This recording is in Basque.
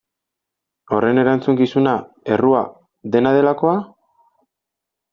Horren erantzukizuna, errua, dena delakoa?